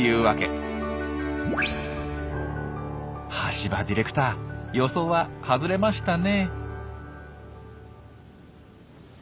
橋場ディレクター予想は外れましたね。